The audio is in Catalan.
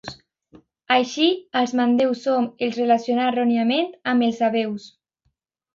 Així, als mandeus hom els relacionà erròniament amb els sabeus.